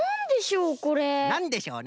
なんでしょう？